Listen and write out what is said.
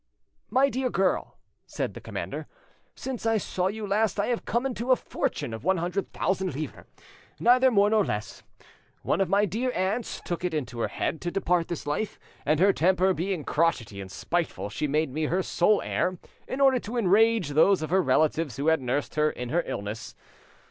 "My dear girl," said the commander, "since I saw you last I have come into a fortune of one hundred thousand livres, neither more nor less. One of my dear aunts took it into her head to depart this life, and her temper being crotchety and spiteful she made me her sole heir, in order to enrage those of her relatives who had nursed her in her illness.